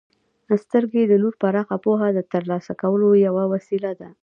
•سترګې د نور پراخه پوهه د ترلاسه کولو یوه وسیله ده.